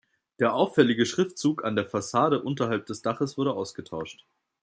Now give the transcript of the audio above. Der auffällige Schriftzug an der Fassade unterhalb des Daches wurde ausgetauscht.